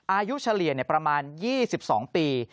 เฉลี่ยประมาณ๒๒ปี